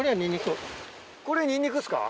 これニンニクですか？